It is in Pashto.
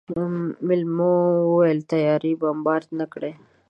مېلمو وويل طيارې بمبارد نه کړ.